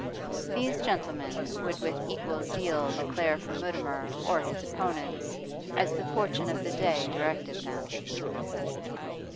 These gentle men would with equal zeal declare for Mutimer or his opponents, as the fortune of the day directed them.